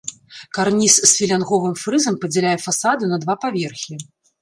Карніз з філянговым фрызам падзяляе фасады на два паверхі.